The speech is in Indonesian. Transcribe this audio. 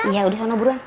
iya udah sama buruan